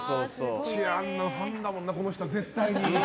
土屋アンナのファンだもんなこの人、絶対。